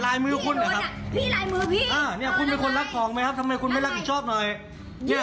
แล้วอย่างเนี้ยพี่โดนพี่ใส่ลูกค้าเป็นชุดเลยนะ